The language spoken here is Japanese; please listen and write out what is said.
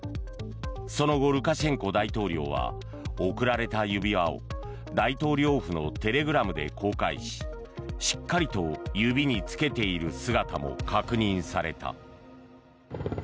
その後ルカシェンコ大統領は贈られた指輪を大統領府のテレグラムで公開ししっかりと指に着けている姿も確認された。